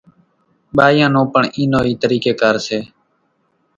ٻايان نو پڻ اِي نو اِي طريقي ڪار سي